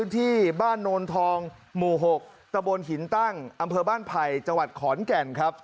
ที่บ้านนอนทองหมู่๖ตระโบนหินตั้งอภัยขอนแก่น